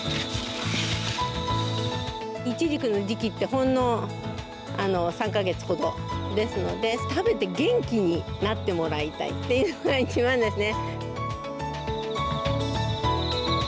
ほんの３か月ほどですので食べて元気になってもらいたいというのが一番ですね。